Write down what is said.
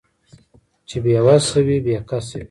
چې بې وسه وي بې کسه وي